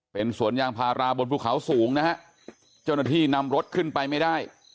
เป็นสวนยางพาราบนภูเขาสูงนะฮะเจ้าหน้าที่นำรถขึ้นไปไม่ได้